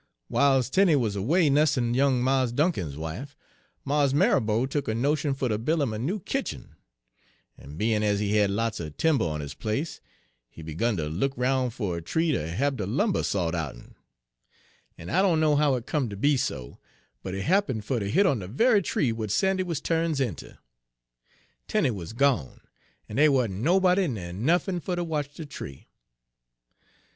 "W'iles Tenie wuz away nussin' young Mars Dunkin's wife, Mars Marrabo tuk a notion fer ter buil' 'im a noo kitchen; en bein' ez he had lots er timber on his place, he begun ter look 'roun' fer a tree ter hab de lumber sawed out'n. En I dunno how it come to be so, but he happen fer ter hit on de ve'y tree w'at Sandy wuz turns inter. Tenie wuz gone, en dey wa'n't nobody ner nuffin fer ter watch de tree.